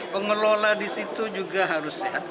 pengelola di situ juga harus sehat